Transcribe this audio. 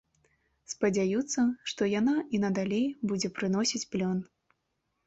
Спадзяюцца, што яна і надалей будзе прыносіць плён.